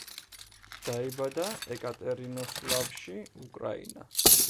დაიბადა ეკატერინოსლავში, უკრაინა.